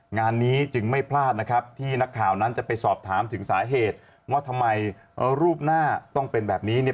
งานนี้จึงไม่พลาดนะครับที่นักข่าวนั้นจะไปสอบถามถึงสาเหตุว่าทำไมรูปหน้าต้องเป็นแบบนี้เนี่ย